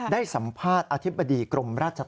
ได้สัมภาษณ์อธิบดีกรมราชธรรม